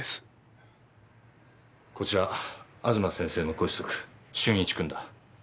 こちらは吾妻先生のご子息俊一君だ。